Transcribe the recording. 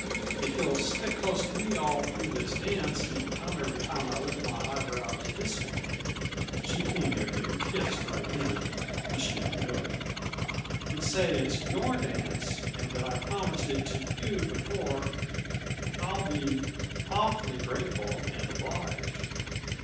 If you'll stick close to me all through this dance and come every time I lift my eyebrows this way" she came near getting kissed, right then, but she never knew it "and say it's your dance and that I promised it to you before, I'll be awfully grateful and obliged."